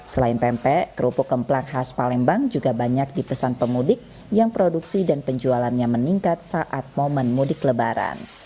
selain pempek kerupuk kemplak khas palembang juga banyak dipesan pemudik yang produksi dan penjualannya meningkat saat momen mudik lebaran